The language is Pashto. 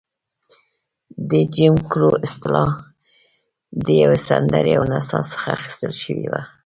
د جیم کرو اصطلاح د یوې سندرې او نڅا څخه اخیستل شوې وه.